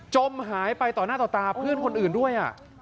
จมหายไปต่อหน้าต่อตาเพื่อนคนอื่นด้วย